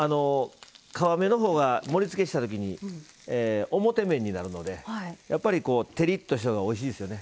皮目のほうが盛りつけしたときに表面になるのでやっぱり、照りっとしたのがおいしそうですよね。